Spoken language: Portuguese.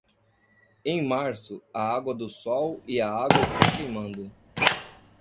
Em março, a água do sol e a água estão queimando.